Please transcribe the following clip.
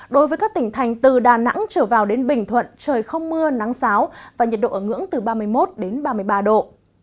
đối với các tỉnh thành từ đà nẵng trở vào đến bình thuận trời không mưa nắng sáo và nhiệt độ ở ngưỡng từ ba mươi một đến ba mươi ba độ